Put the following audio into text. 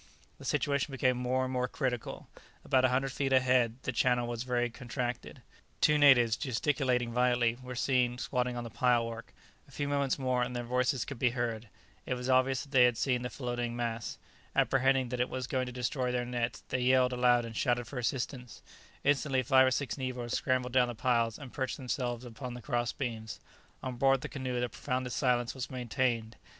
The situation became more and more critical. About a hundred feet ahead, the channel was very contracted; two natives, gesticulating violently, were seen squatting on the pilework; a few moments more and their voices could be heard; it was obvious that they had seen the floating mass; apprehending that it was going to destroy their nets, they yelled aloud and shouted for assistance; instantly five or six negroes scrambled down the piles, and perched themselves upon the cross beams. On board the canoe the profoundest silence was maintained.